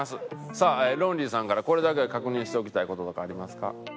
さあロンリーさんからこれだけは確認しておきたい事とかありますか？